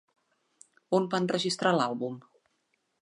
On van enregistrar l'àlbum?